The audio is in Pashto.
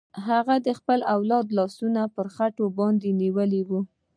هغې خپل دواړه لاسونه پر خېټې باندې نيولي وو.